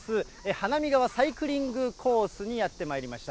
花見川サイクリングコースにやってまいりました。